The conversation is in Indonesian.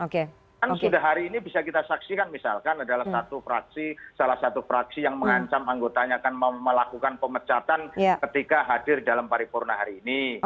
kan sudah hari ini bisa kita saksikan misalkan adalah satu fraksi salah satu fraksi yang mengancam anggotanya akan melakukan pemecatan ketika hadir dalam paripurna hari ini